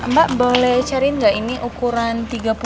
mbak boleh cariin gak ini ukuran tiga puluh dua